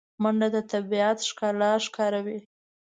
منډه د طبیعت ښکلا ښکاروي